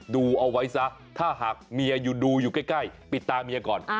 ดูเอาไว้ซะถ้าหากเมียอยู่ดูอยู่ใกล้ปิดตาเมียก่อน